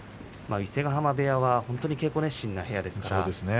伊勢ヶ濱部屋は本当に稽古熱心な部屋です。